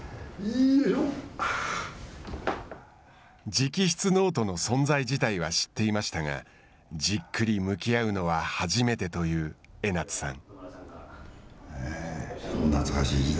直筆ノートの存在自体は知っていましたがじっくり向き合うのは初めてという江夏さん。